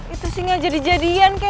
itu singa jadi jadian kay